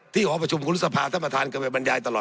หอประชุมคุณฤษภาท่านประธานเคยไปบรรยายตลอด